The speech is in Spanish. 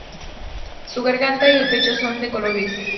Su garganta y el pecho son de color gris.